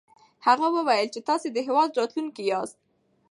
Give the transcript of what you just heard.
هغه وويل چې تاسې د هېواد راتلونکی ياست.